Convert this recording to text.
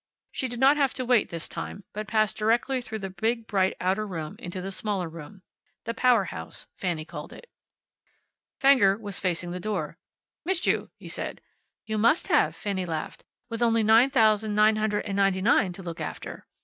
She did not have to wait this time, but passed directly through the big bright outer room into the smaller room. The Power House, Fanny called it. Fenger was facing the door. "Missed you," he said. "You must have," Fanny laughed, "with only nine thousand nine hundred and ninety nine to look after."